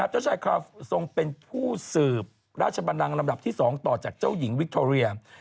เจ้าชายทรงเป็นผู้สืบราชบันนังลำดับที่๒ต่อจากเจ้าหญิงวิคโทเรีย